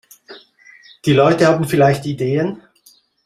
Die Leute haben vielleicht Ideen!